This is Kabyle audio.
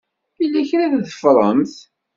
Yella kra i teffremt.